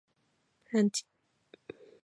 ランチ